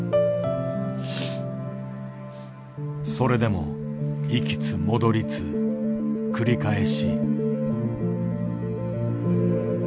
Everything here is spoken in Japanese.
それでも行きつ戻りつ繰り返し。